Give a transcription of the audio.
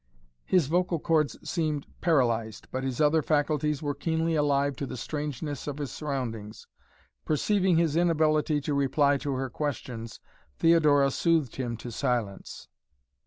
His vocal chords seemed paralyzed, but his other faculties were keenly alive to the strangeness of his surroundings. Perceiving his inability to reply to her questions, Theodora soothed him to silence.